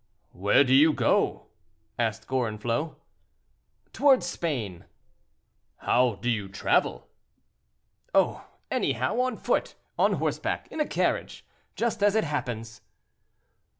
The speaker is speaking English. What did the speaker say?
"Where do you go?" asked Gorenflot. "Toward Spain." "How do you travel?" "Oh! anyhow; on foot, on horseback, in a carriage—just as it happens."